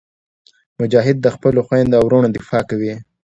مجاهد د خپلو خویندو او وروڼو دفاع کوي.